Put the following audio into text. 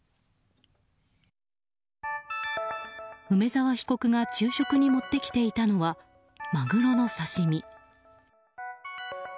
梅沢被告が昼食に持ってきていたのはマグロの刺し身。